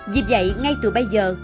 vì vậy ngay từ bây giờ